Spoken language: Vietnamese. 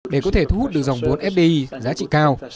để có thể thu hút được dòng vốn fdi giá trị cao